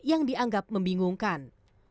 yang dianggap membingungkan